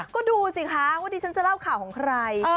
ก็ดูสิคะว่าดิฉันจะเล่าข่าวของใคร